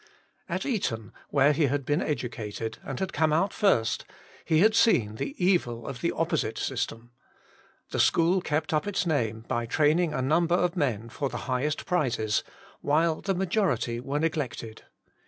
At Eton, where he had been edu cated, and had come out First, he had seen the evil of the opposite system. The school kept up its name by training a number of men for the highest prizes, v,^hile the major ity were neglected.